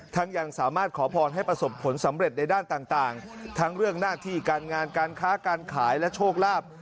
ยังสามารถขอพรให้ประสบผลสำเร็จในด้านต่างทั้งเรื่องหน้าที่การงานการค้าการขายและโชคลาภ